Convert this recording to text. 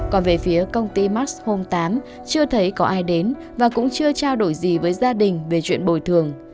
còn về phía công ty max home tám chưa thấy có ai đến và cũng chưa trao đổi gì với gia đình về chuyện bồi thường